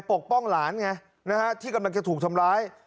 ปกป้องหลานไงนะฮะที่กำลังจะถูกทำร้าย